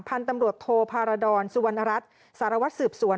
พันธุ์ตำรวจโพราดอลสวนรัฐสารวัดสืบสวน